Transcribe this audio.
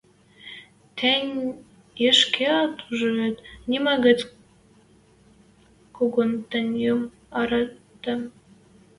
Тӹнь ӹшкеӓт ужат вет: нима гӹцӓт когон тӹньӹм яратем.